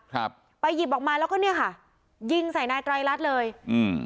ครับไปหยิบออกมาแล้วก็เนี้ยค่ะยิงใส่นายไตรรัฐเลยอืม